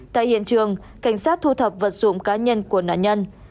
tại hiện trường cảnh sát thu thập vật dụng cá nhân của nạn nhân